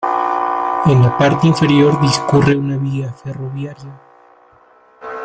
En la parte inferior discurre una vía ferroviaria.